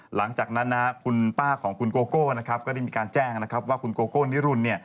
หลังจากนั้นคุณป้าของคุณโกโก้ก็ได้มีการแจ้งว่าคุณโกโก้นิรุณ